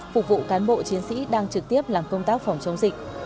phục vụ cán bộ chiến sĩ đang trực tiếp làm công tác phòng chống dịch